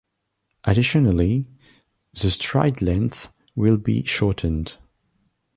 Additionally, the stride length will be shortened.